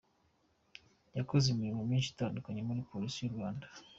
Yakoze imirimo myinshi itandukanye muri Polisi y’u Rwanda.